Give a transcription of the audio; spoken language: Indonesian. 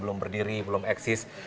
belum berdiri belum eksis